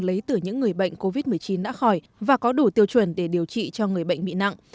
lấy từ những người bệnh covid một mươi chín đã khỏi và có đủ tiêu chuẩn để điều trị cho người bệnh bị nặng